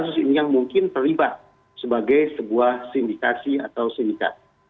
dan kasus ini yang mungkin terlibat sebagai sebuah sindikasi atau sindikat